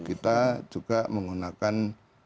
kita juga menggunakan